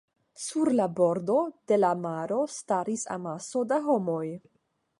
Sur la bordo de la maro staris amaso da homoj.